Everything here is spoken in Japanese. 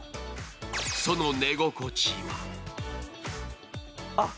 その寝心地は？